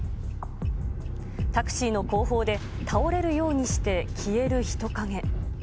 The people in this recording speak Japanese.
タクシーの後方で、倒れるようにして消える人影。